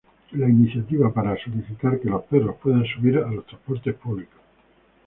Una iniciativa para solicitar que los perros puedan subir a los transportes públicos.